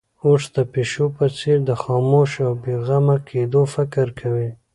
اوښ د پيشو په څېر د خاموش او بې غمه کېدو فکر کوي.